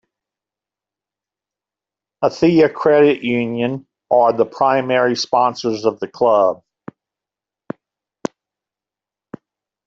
Athea Credit Union are the primary sponsors of the club.